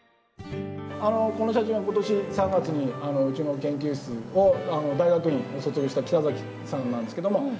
この写真は今年３月にうちの研究室を大学院を卒業した喜多崎さんなんですけども。